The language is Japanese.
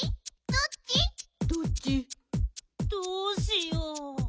どうしよう。